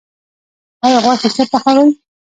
ایا غوښه ښه پخوئ؟